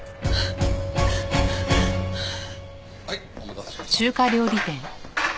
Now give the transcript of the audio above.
はいお待たせしました。